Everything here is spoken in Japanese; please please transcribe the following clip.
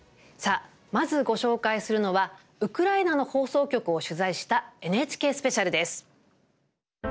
まずご紹介するのはウクライナの放送局を取材した「ＮＨＫスペシャル」です。